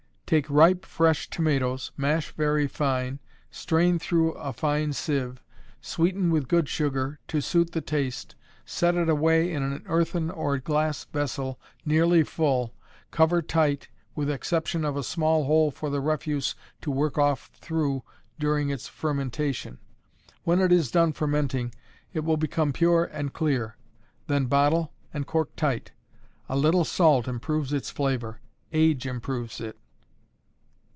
_ Take ripe, fresh tomatoes, mash very fine, strain through a fine sieve, sweeten with good sugar, to suit the taste, set it away in an earthen or glass vessel, nearly full, cover tight, with exception of a small hole for the refuse to work off through during its fermentation. When it is done fermenting it will become pure and clear. Then bottle, and cork tight. A little salt improves its flavor; age improves it.